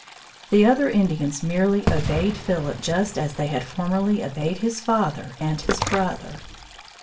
The other Indians merely obeyed Philip just as they had formerly obeyed his father and his brother.